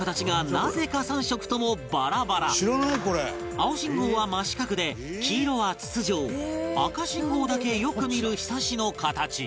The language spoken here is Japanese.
青信号は真四角で黄色は筒状赤信号だけよく見る庇の形